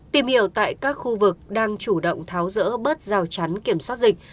tìm hiểu tại các khu vực đang chủ động tháo rỡ bớt rào chắn kiểm soát dịch